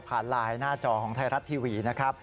ผ่านไลน์หน้าจอของไทยรัฐทีวี